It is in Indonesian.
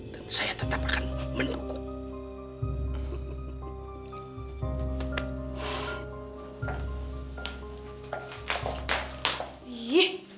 dan saya tetap akan mendukung